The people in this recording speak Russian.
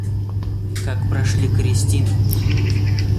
Как прошли крестины?